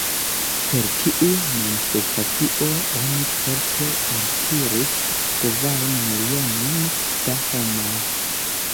Per tiu manifestacio oni certe altiris kvaronmilionon da homoj.